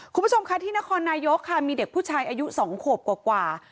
คุณผู้ชมค่ะที่นครนายกค่ะมีเด็กผู้ชายอายุ๒ขวบกว่า